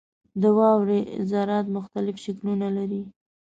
• د واورې ذرات مختلف شکلونه لري.